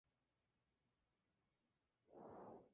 Queda en las inmediaciones de la Placita de Flórez.